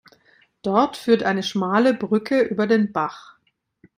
Dort führt eine schmale Brücke über den Bach.